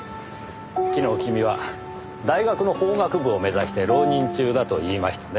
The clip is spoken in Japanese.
昨日君は大学の法学部を目指して浪人中だと言いましたねぇ。